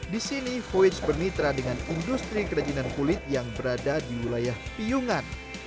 di sini voyage bermitra dengan industri kerajinan kulit yang berada di wilayah piungan